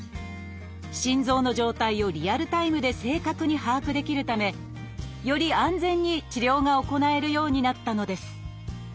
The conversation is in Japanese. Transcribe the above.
心臓の状態をリアルタイムで正確に把握できるためより安全に治療が行えるようになったのです。